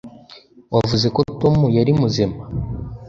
wavuze ko tom yari muzima